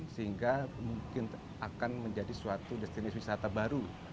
sehingga mungkin akan menjadi suatu destinis wisata baru